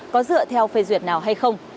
có dựa theo phê duyệt nào hay không